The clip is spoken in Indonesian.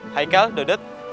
hai kal dodet